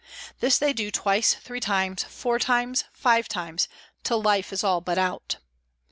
This they do twice, three times, four times, five times, till life is all but out.